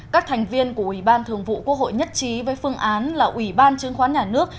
các thành viên của ủy ban thường vụ quốc hội nhất trí với phương án là ủy ban chứng khoán nhà nước